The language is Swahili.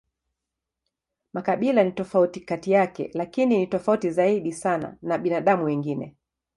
Makabila ni tofauti kati yake, lakini ni tofauti zaidi sana na binadamu wengine.